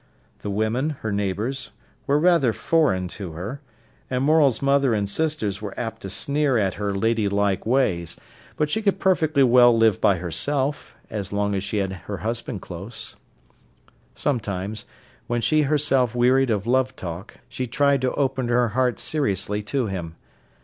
The women, her neighbours, were rather foreign to her, and Morel's mother and sisters were apt to sneer at her ladylike ways. But she could perfectly well live by herself, so long as she had her husband close. Sometimes, when she herself wearied of love talk, she tried to open her heart seriously to him.